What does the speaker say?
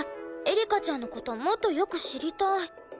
エリカちゃんの事もっとよく知りたい。